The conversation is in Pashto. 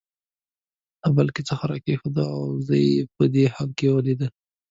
له بګۍ څخه راکښته کېده او زه یې په دې حال کې ولید.